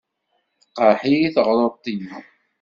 Teqreḥ-iyi teɣruḍt-inu.